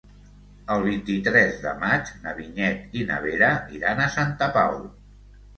El vint-i-tres de maig na Vinyet i na Vera iran a Santa Pau.